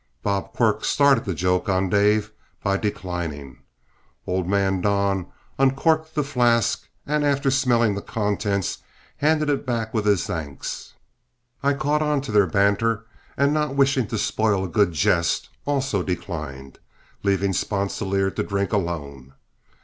Bob Quirk started the joke on Dave by declining; old man Don uncorked the flask, and, after smelling of the contents, handed it back with his thanks. I caught onto their banter, and not wishing to spoil a good jest, also declined, leaving Sponsilier to drink alone.